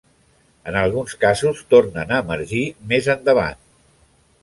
En alguns casos tornen a emergir més endavant.